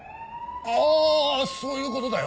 ああそういう事だよ。